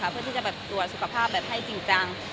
เพื่อจัดสุขภาพให้จริงจัง